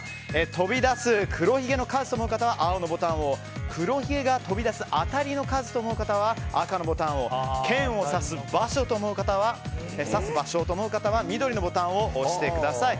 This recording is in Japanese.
飛び出す黒ひげの数と思う方は青のボタンを黒ひげが飛び出す当たりの数と思う方は赤のボタンを剣を刺す場所と思う方は緑のボタンを押してください。